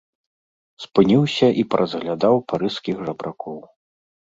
Спыніўся і паразглядаў парыжскіх жабракоў.